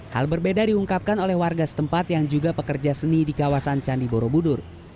hal berbeda diungkapkan oleh warga setempat yang juga pekerja seni di kawasan candi borobudur